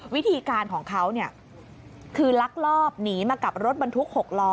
วิธีการของเขาคือลักลอบหนีมากับรถบรรทุก๖ล้อ